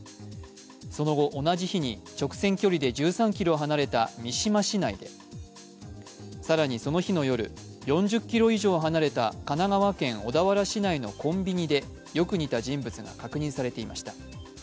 その後、同じ日に直線距離で１３ｋｍ離れた三島市内で更にその日の夜、４０ｋｍ以上離れた神奈川県小田原市内のコンビニでよく似た人物が確認されていました。